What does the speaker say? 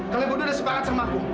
kalian bodoh dan sepakat sama aku